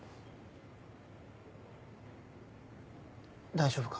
大丈夫か？